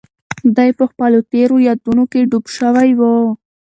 دی په خپلو تېرو یادونو کې ډوب شوی و.